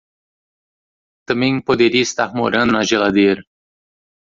Também poderia estar morando na geladeira.